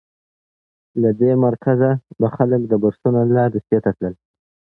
له دې مرکزه به خلک د بورسونو له لارې روسیې ته تلل.